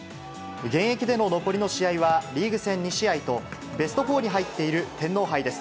現役での残りの試合はリーグ戦２試合と、ベスト４に入っている天皇杯です。